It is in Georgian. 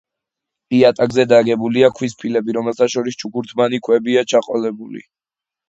იატაკზე დაგებულია ქვის ფილები, რომელთა შორის ჩუქურთმიანი ქვებია ჩაყოლებული.